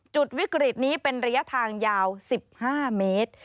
จุดวิกฤตนี้เป็นระยะทางยาว๑๕เมตร